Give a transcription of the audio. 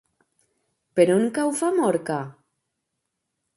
Per on cau Famorca?